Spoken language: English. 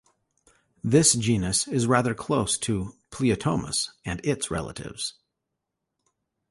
This genus is rather close to "Pleotomus" and its relatives.